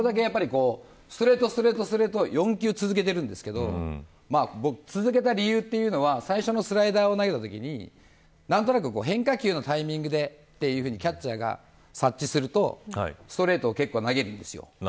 ストレートを４球続けているんですけど続けた理由というのは最初のスライダーを投げたときに何となく変化球のタイミングでとキャッチャーが察知するとストレートを結構投げるんです。